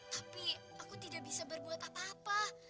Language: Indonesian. tapi aku tidak bisa berbuat apa apa